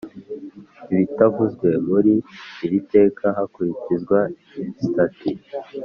Ibitavuzwe muri iri teka hakurikizwa sitati